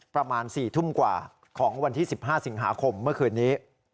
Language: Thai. ประมาณ๔ทุ่มกว่าของวันที่๑๕สิงหาคมเมื่อคืนนี้